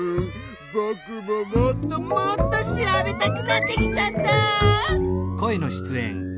ぼくももっともっと調べたくなってきちゃった！